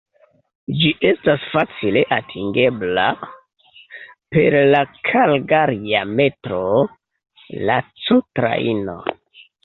Ĝi estas facile atingebla per la kalgaria metroo, la C-Trajno.